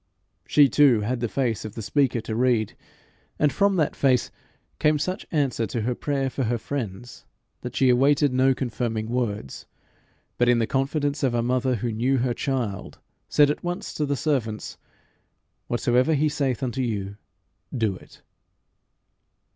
She, too, had the face of the speaker to read; and from that face came such answer to her prayer for her friends, that she awaited no confirming words, but in the confidence of a mother who knew her child, said at once to the servants, "Whatsoever he saith unto you, do it."